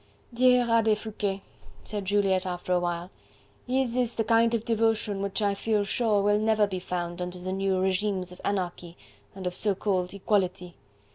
"Dear Abbe Foucquet," said Juliette after a while, "his is the kind of devotion which I feel sure will never be found under the new regimes of anarchy and of so called equality.